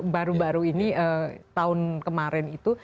baru baru ini tahun kemarin itu